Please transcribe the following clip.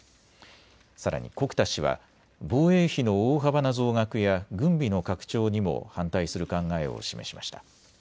さらに穀田氏は防衛費の大幅な増額や軍備の拡張にも反対する考えを示しました。